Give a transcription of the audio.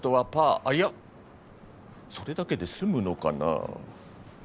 あっいやそれだけで済むのかな？